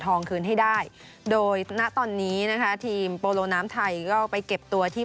คืนให้ได้โดยณตอนนี้นะคะทีมโปโลน้ำไทยก็ไปเก็บตัวที่